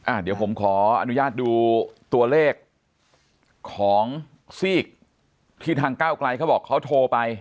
อ่ะเดี๋ยวผมขออนุญาตดูตัวเลขของทรีย์ทางเก้าไกรเค้าบอกว่าเค้าโทรไป